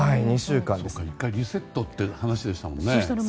１回、リセットという話でしたもんね。